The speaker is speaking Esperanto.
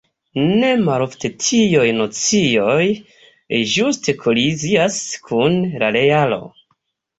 Ne malofte tiuj nocioj ĝuste kolizias kun la realo.